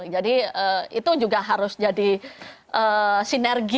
jadi itu juga harus jadi sinergi